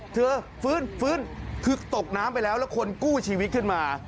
ฟื้นฟื้นคือตกน้ำไปแล้วแล้วคนกู้ชีวิตขึ้นมา